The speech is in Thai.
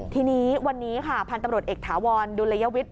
ทีนี้วันนี้ค่ะพันธุ์ตำรวจเอกถาวรดุลยวิทย